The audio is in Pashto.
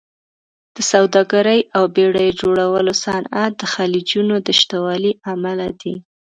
د سوداګرۍ او بېړیو جوړولو صنعت د خلیجونو د شتوالي امله دی.